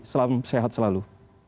selam sehat selalu